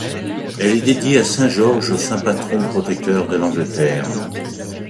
Elle est dédiée à saint Georges, saint patron protecteur de l'Angleterre.